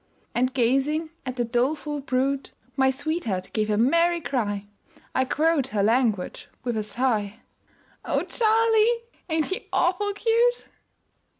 And gazing at the doleful brute My sweetheart gave a merry cry I quote her language with a sigh "O Charlie, ain't he awful cute?"